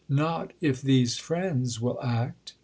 "Not if these friends will act."